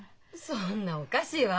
そんなおかしいわ。